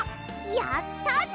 やったぞ！